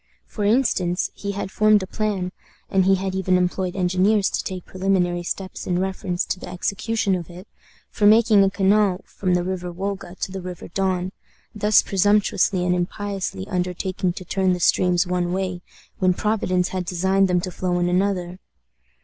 For instance, he had formed a plan and he had even employed engineers to take preliminary steps in reference to the execution of it for making a canal from the River Wolga to the River Don, thus presumptuously and impiously undertaking to turn the streams one way, when Providence had designed them to flow in another!